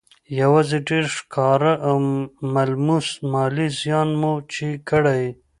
يوازې ډېر ښکاره او ملموس مالي زيان مو چې کړی